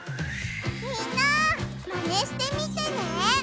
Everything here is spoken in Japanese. みんなマネしてみてね！